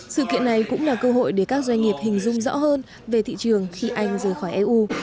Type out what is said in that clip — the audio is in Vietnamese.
sự kiện này cũng là cơ hội để các doanh nghiệp hình dung rõ hơn về thị trường khi anh rời khỏi eu